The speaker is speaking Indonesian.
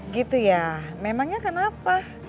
gitu ya memangnya kenapa